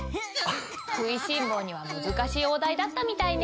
食いしん坊には難しいお題だったみたいね。